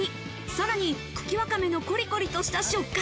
さらに茎ワカメのコリコリとした食感。